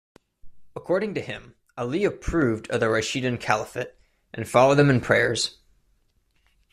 According to him Ali approved of the Rashidun Caliphate and followed them in prayers.